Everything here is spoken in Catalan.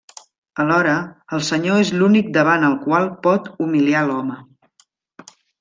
Alhora, el Senyor és l'únic davant el qual pot humiliar l'home.